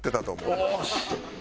よし！